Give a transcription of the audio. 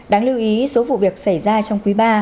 đáng lưu ý số vụ việc xảy ra trong quý ba